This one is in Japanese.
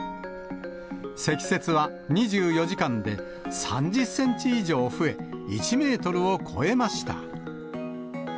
積雪は２４時間で３０センチ以上増え、１メートルを超えました。